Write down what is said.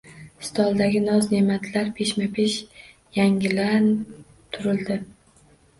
Stoldagi noz-neʼmatlar peshma-pesh yangilab turildi